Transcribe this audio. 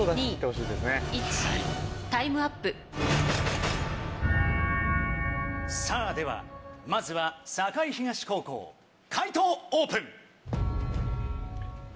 タイムアップではまずは栄東高校解答オープン！